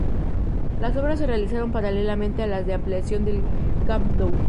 Las obras se realizaron paralelamente a las de ampliación del Camp Nou.